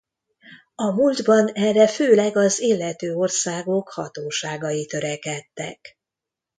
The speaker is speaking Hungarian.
A múltban erre főleg az illető országok hatóságai törekedtek.